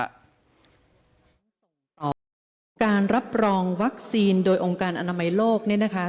การรับรองวัคซีนโดยองค์การอนามัยโลกเนี่ยนะคะ